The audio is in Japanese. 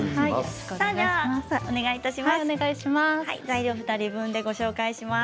では、お願いします。